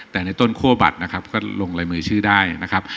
แต่ในต้นคั่วบัตรนะครับก็ลงลายมือชื่อได้นะครับ